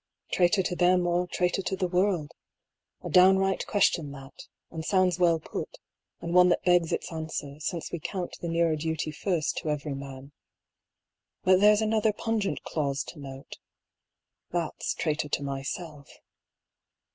Traitor to them or traitor to the world : a downright question that, and sounds well put, and one that begs its answer, since we count the nearer duty first to every man ; but there's another pungent clause to note... that's traitor to myself.